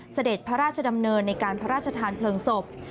เสด็จพระราชดำเนินในการพระราชทานเพลิงศพ